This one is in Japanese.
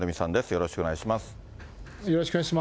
よろしくお願いします。